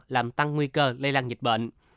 làm tăng nguy cơ lây lan dịch bệnh